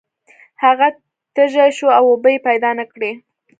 هغه تږی شو او اوبه یې پیدا نه کړې.